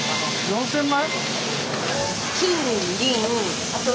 ４，０００枚？